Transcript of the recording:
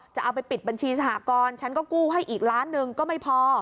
จะเอาไปปิดบัญชีสหกรณ์ฉันก็กู้ให้อีกล้านหนึ่งก็ไม่พอ